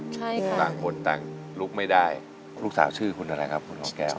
ต่างคนต่างลูกไม่ได้ลูกสาวชื่อคุณอะไรครับคุณหอแก้ว